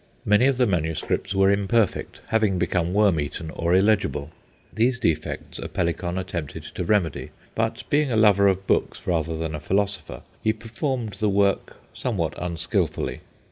Many of the manuscripts were imperfect, having become worm eaten or illegible. These defects Apellicon attempted to remedy; but, being a lover of books rather than a philosopher, he performed the work somewhat unskilfully.